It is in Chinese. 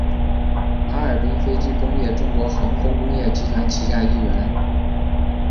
哈尔滨飞机工业中国航空工业集团旗下一员。